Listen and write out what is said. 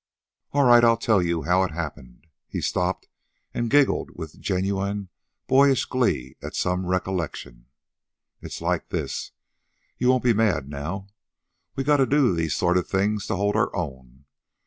"All right. I'll tell you how it happened." He stopped and giggled with genuine boyish glee at some recollection. "It's like this. You won't be mad, now? We gotta do these sort of things to hold our own.